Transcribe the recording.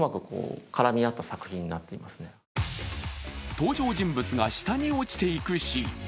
登場人物が下に落ちていくシーン。